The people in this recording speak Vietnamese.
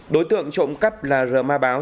đối tượng trộm cắt là rờ ma báo